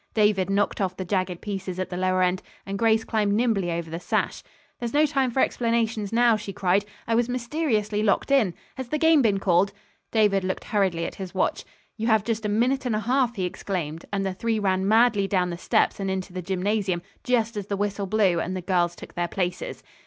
David knocked off the jagged pieces at the lower end, and Grace climbed nimbly over the sash. "There's no time for explanations now," she cried. "I was mysteriously locked in. Has the game been called?" David looked hurriedly at his watch. "You have just a minute and a half," he exclaimed, and the three ran madly down the steps and into the gymnasium just as the whistle blew and the girls took their places.